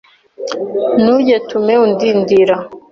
Ntugetume udindire.